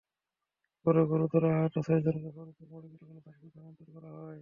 পরে গুরুতর আহত ছয়জনকে ফরিদপুর মেডিকেল কলেজ হাসপাতালে স্থানান্তর করা হয়।